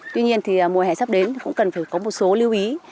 tuy nhiên thì mùa hè sắp đến cũng cần phải có một số lưu ý